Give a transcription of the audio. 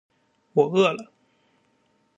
我饿了